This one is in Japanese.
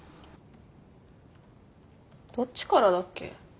どっちからだっけ？